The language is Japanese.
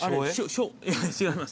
違います。